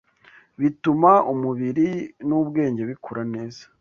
bituma umubiri n’ubwenge bikura neza.